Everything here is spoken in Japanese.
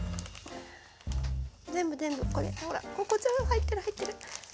全部全部こうやってほらこっち入ってる入ってる。